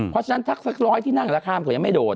เพราะฉะนั้นถ้าสักร้อยที่นั่งราคามันก็ยังไม่โดน